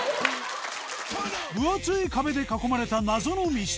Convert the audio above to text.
ぶ厚い壁で囲まれた謎の密室。